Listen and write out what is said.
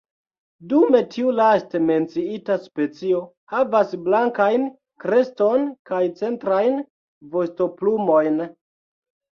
Dume tiu laste menciita specio havas blankajn kreston kaj centrajn vostoplumojn.